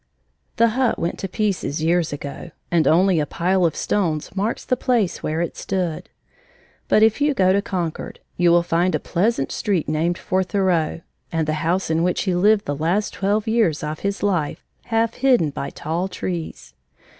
The hut went to pieces years ago, and only a pile of stones marks the place where it stood, but if you go to Concord, you will find a pleasant street named for Thoreau, and the house in which he lived the last twelve years of his life, half hidden by tall trees.